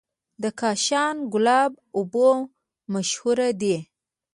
د کاشان ګلاب اوبه مشهورې دي.